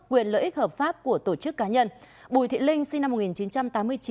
quyền lợi ích hợp pháp của tổ chức cá nhân bùi thị linh sinh năm một nghìn chín trăm tám mươi chín